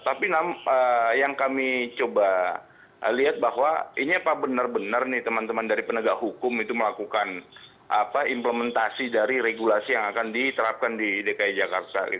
tapi yang kami coba lihat bahwa ini apa benar benar nih teman teman dari penegak hukum itu melakukan implementasi dari regulasi yang akan diterapkan di dki jakarta